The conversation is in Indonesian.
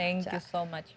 terima kasih banyak